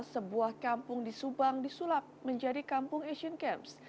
sebuah kampung di subang disulap menjadi kampung asian games